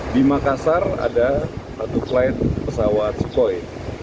di makassar ada satu flight pesawat sukhoi